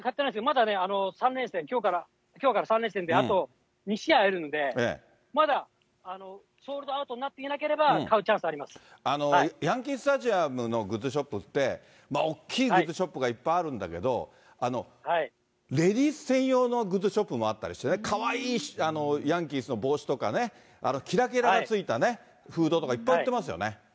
まだね、３連戦、きょうから３連戦で、あと２試合あるんで、まだソールドアウトになっていなけれヤンキースタジアムのグッズショップって、大きいグッズショップがいっぱいあるんだけど、レディース専用のグッズショップもあったりしてね、かわいいヤンキースの帽子とかね、きらきらがついたフードとかいっぱい売ってますよね。